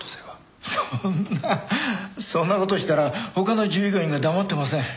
そんなそんな事したら他の従業員が黙ってません。